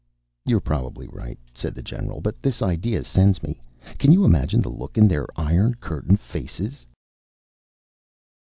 "You're probably right," said the general, "but this idea sends me. Can you imagine the look on their Iron Curtain faces?"